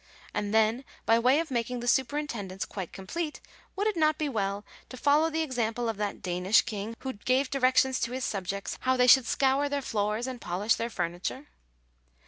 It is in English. And, then, by way of making the superintendence quite complete, would it not be well to follow the example of that Danish king who gave directions to his subjects how they should scour their floors, and polish their furniture